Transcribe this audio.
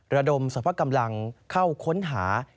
ระดมสรรพกำลังเข้าค้นหา